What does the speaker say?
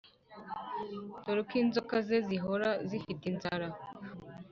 dore ko inzoka ze zihora zifite inzara